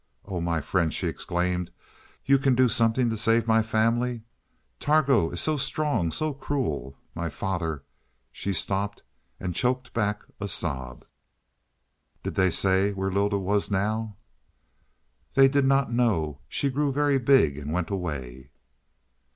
"Oh, my friend," she exclaimed. "You can do something to save my family? Targo is so strong, so cruel. My father " She stopped, and choked back a sob. "Did they say where Lylda was now?" "They did not know. She grew very big and went away."